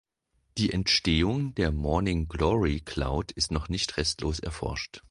Die Entstehung der Morning Glory Cloud ist noch nicht restlos erforscht.